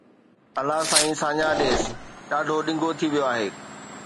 الله سائين ساڃاهہ ڏيس ڏاڍو ڊنگو ٿي ويو آهي